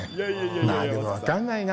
まあ、でも分かんないな。